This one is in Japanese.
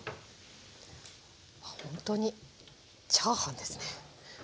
あっほんとにチャーハンですね。